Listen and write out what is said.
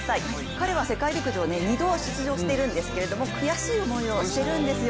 彼は世界陸上２度出場しているんですけど悔しい思いをしているんですよ。